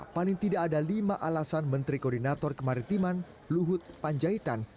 paling tidak ada lima alasan menteri koordinator kemaritiman luhut panjaitan